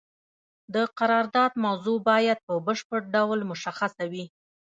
د قرارداد موضوع باید په بشپړ ډول مشخصه وي.